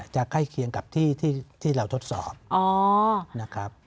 จะใกล้เคียงกับที่เราทดสอบ